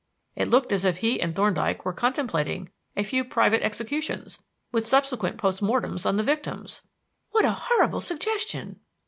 It looked as if he and Thorndyke were contemplating a few private executions with subsequent post mortems on the victims." "What a horrible suggestion!"